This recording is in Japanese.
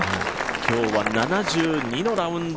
今日は７２のラウンド。